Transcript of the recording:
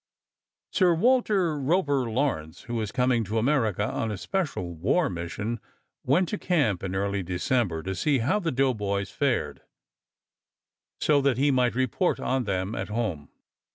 Sir Walter Roper Lawrence, who was coming to America on a special war mission, went to camp in early December to see how the doughboys fared, so that he might report on them at home.